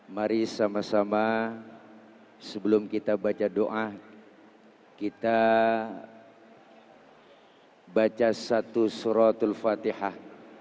mari sama sama sebelum kita baca doa kita baca satu suratul fatihah